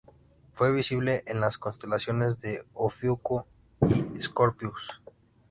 Fue visible en las constelaciones de Ofiuco y Scorpius.